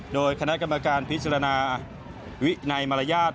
โดยคณะกรรมการพิจารณาวินัยมารยาท